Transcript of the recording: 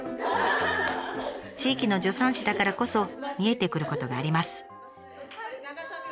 地域の助産師だからこそ見えてくることがあります。